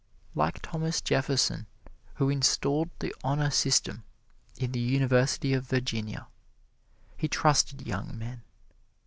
Like Thomas Jefferson, who installed the honor system in the University of Virginia, he trusted young men.